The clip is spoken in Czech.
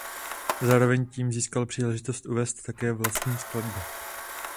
Zároveň tím získal příležitost uvést také vlastní skladby.